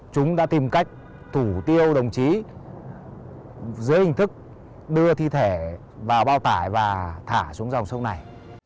chúng đã tìm cách thủ tiêu đồng chí dưới hình thức đưa thi thể vào bao tải và thả xuống dòng sông này